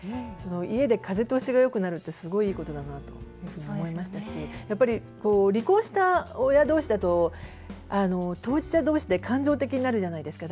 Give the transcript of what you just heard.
家で風通しがよくなるってすごいいいことだなって思いましたし離婚した親同士だと当事者同士って感情的になるじゃないですか。